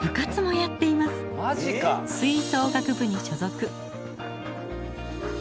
吹奏楽部に所属。